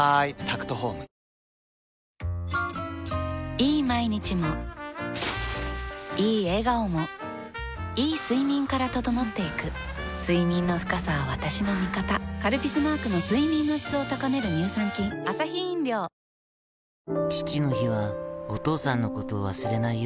いい毎日もいい笑顔もいい睡眠から整っていく睡眠の深さは私の味方「カルピス」マークの睡眠の質を高める乳酸菌おケガはありませんか？